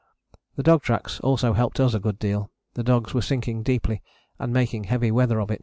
The dog tracks also helped us a good deal: the dogs were sinking deeply and making heavy weather of it.